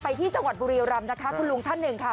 ที่จังหวัดบุรีรำนะคะคุณลุงท่านหนึ่งค่ะ